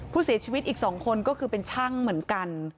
ผู้เสียชีวิตอีก๒คนก็คือเป็นช่างเหมือนกัน